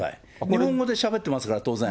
日本語でしゃべってますから、当然。